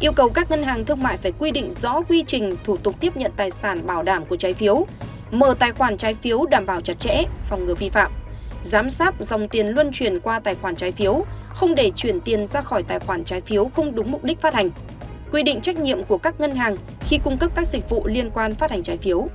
yêu cầu các ngân hàng thương mại phải quy định rõ quy trình thủ tục tiếp nhận tài sản bảo đảm của trái phiếu mở tài khoản trái phiếu đảm bảo chặt chẽ phòng ngừa vi phạm giám sát dòng tiền luân truyền qua tài khoản trái phiếu không để chuyển tiền ra khỏi tài khoản trái phiếu không đúng mục đích phát hành quy định trách nhiệm của các ngân hàng khi cung cấp các dịch vụ liên quan phát hành trái phiếu